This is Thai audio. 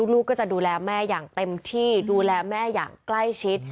ลูกก็จะดูแลแม่อย่างเต็มที่ดูแลแม่อย่างใกล้ชิด